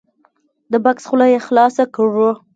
د بکس خوله یې خلاصه کړه !